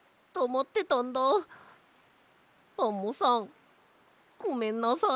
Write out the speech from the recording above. アンモさんごめんなさい！